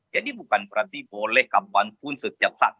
jadi bukan berarti boleh kapanpun setiap saat